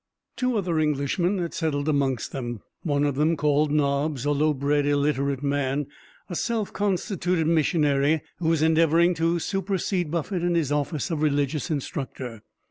Other two Englishmen had settled amongst them; one of them, called Nobbs, a low bred, illiterate man, a self constituted missionary, who was endeavoring to supersede Buffett in his office of religious instructor.